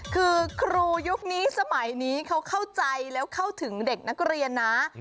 คือครูยุคนี้สมัยนี้เขาเข้าใจแล้วเข้าถึงเด็กนักเรียนนะ